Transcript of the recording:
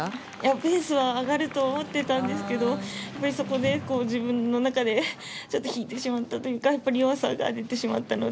ペースは上がると思ってたんですけど、自分の中で引いてしまったというか弱さが出てしまったので。